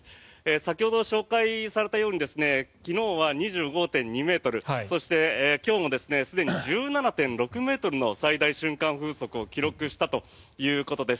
先ほど、紹介されたように昨日は２５．２ｍそして、今日もすでに１７．６ｍの最大瞬間風速を記録したということです。